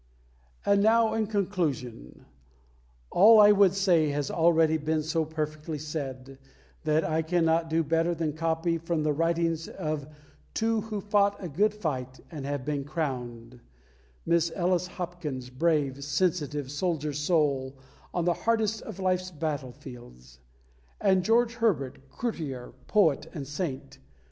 And now, in conclusion, all I would say has already been so perfectly said, that I cannot do better than copy from the writings of two who fought a good fight and have been crowned Miss Ellice Hopkins, brave, sensitive, soldier soul on the hardest of life's battlefields; and George Herbert, courtier, poet, and saint.